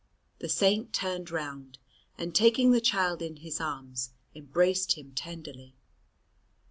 The Saint turned round, and taking the child in his arms embraced him tenderly.